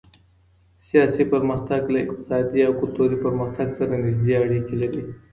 سياسي پرمختګ له اقتصادي او کلتوري پرمختګ سره نږدې اړيکي لري.